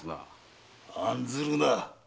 案ずるな。